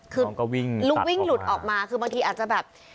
คือลูกวิ่งหลุดออกมาคือบางทีอาจจะแบบ